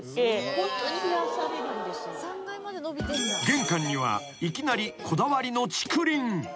［玄関にはいきなりこだわりの］